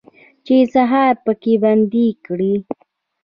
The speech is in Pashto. چې سهار پکې بندي کړي